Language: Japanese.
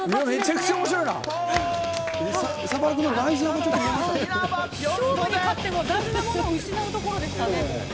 勝負に勝って大事なものを失うところでしたね。